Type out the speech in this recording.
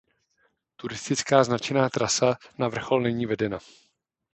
Turistická značená trasa na vrchol není vedena.